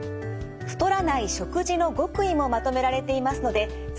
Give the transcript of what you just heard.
太らない食事の極意もまとめられていますので是非ご参考に。